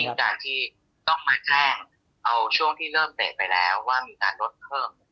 การที่ต้องมาแจ้งเอาช่วงที่เริ่มเตะไปแล้วว่ามีการลดเพิ่ม